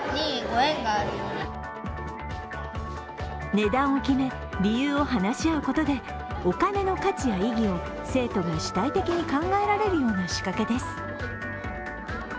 値段を決め、理由を話し合うことでお金の価値や意義を生徒に主体的に考えられるような仕掛けです。